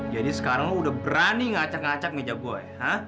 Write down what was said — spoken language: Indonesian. jadi sekarang lo udah berani ngacak ngacak meja gue ya